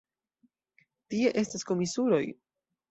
Tie estas komisuroj!